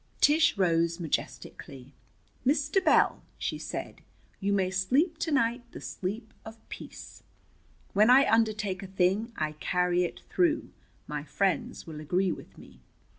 Tish rose majestically. "Mr. Bell," she said, "you may sleep to night the sleep of peace. When I undertake a thing, I carry it through. My friends will agree with me.